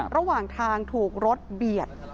ระหว่างทางถูกรถเบียด